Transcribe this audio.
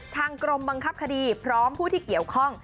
ทางกรมบังคับคดีพร้อมผู้ที่เกี่ยวข้อง